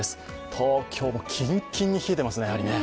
東京もキンキンに冷えていますね。